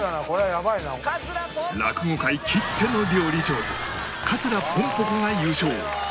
落語界きっての料理上手桂ぽんぽ娘が優勝